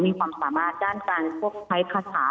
มีความสามารถด้านการใช้ภาษา